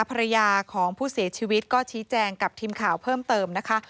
ภรรยาของผู้เสียชีวิตก็ชี้แจงกับทีมข่าวเพิ่มเติมนะคะ